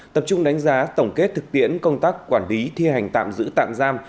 tập trung đánh giá tổng kết thực tiễn công tác quản lý thi hành tạm giữ tạm giam